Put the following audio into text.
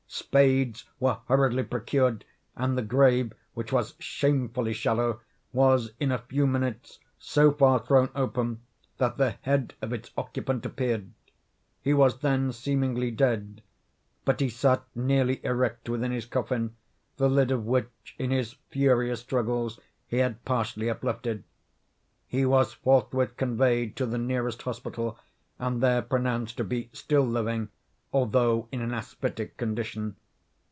Spades were hurriedly procured, and the grave, which was shamefully shallow, was in a few minutes so far thrown open that the head of its occupant appeared. He was then seemingly dead; but he sat nearly erect within his coffin, the lid of which, in his furious struggles, he had partially uplifted. He was forthwith conveyed to the nearest hospital, and there pronounced to be still living, although in an asphytic condition.